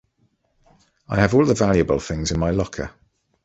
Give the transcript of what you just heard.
I have all the valuable things in my locker.